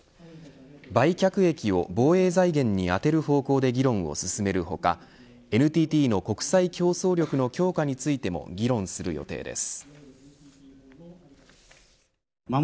売却益を防衛財源に充てる方向で議論を進める他ＮＴＴの国際競争力の強化についても議論する予定です。